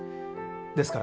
ですから。